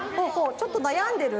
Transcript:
ちょっとなやんでる？